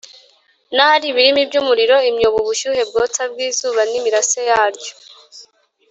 n’ahari ibirimi by’umuriro, imyobo, ubushyuhe bwotsa bw’izuba n’imirase yaryo